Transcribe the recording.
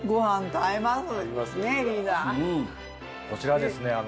こちらですね